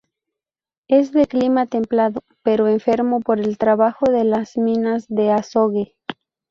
Es de clima templado pero enfermo por el trabajo de las minas de azogue.